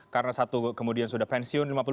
karena satu kemudian sudah pensiun